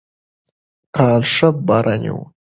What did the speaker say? کال ښه باراني و.